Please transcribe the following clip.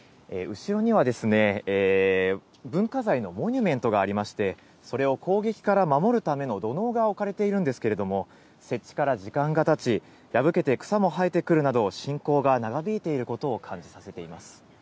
後ろには、文化財のモニュメントがありまして、それを攻撃から守るための土のうが置かれているんですけれども、設置から時間がたち、破けて草も生えてくるなど、侵攻が長引いていることを感じさせています。